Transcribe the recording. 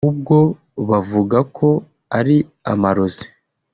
ahubwo bavuga ko ari amarozi